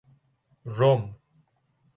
رم